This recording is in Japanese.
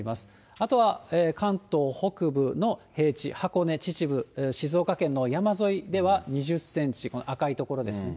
あとは関東北部の平地、箱根、秩父、静岡県の山沿いでは２０センチ、この赤い所ですね。